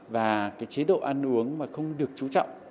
và chế độ ăn uống mà không được chú trọng